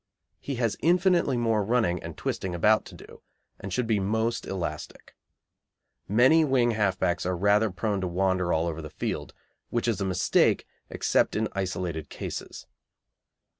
He has infinitely more running and twisting about to do, and should be most elastic. Many wing half backs are rather prone to wander all over the field, which is a mistake (except in isolated cases).